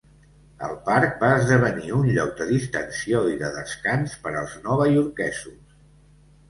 El parc va esdevenir un lloc de distensió i de descans per als novaiorquesos.